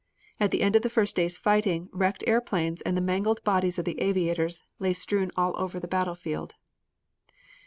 At the end of the first day's fighting wrecked airplanes and the mangled bodies of aviators lay strewn all over the battle field.